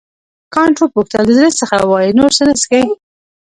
کانت وپوښتل د زړه څخه وایې نور نه څښې.